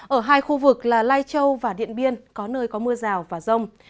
ở hai khu vực là lai châu và điện biên có nơi có mưa rào và rông